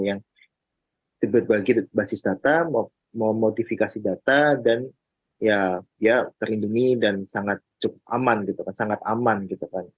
yang lebih banyak basis data memodifikasi data dan ya terlindungi dan sangat aman gitu kan